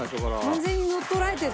完全に乗っ取られてる。